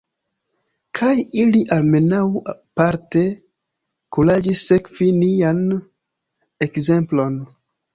Kaj ili almenaŭ parte kuraĝis sekvi nian ekzemplon.